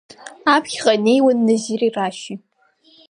Аԥхьаҟа инеиуан Назыри Рашьи.